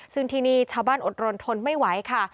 ซึ่งที่นี่ชาวบ้านอดรนทนไม่ไหวค่ะ